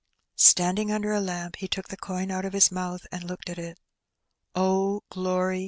'* Standing under a lamp, he took the coin out of his mouth and looked at it. ^'Oh, glory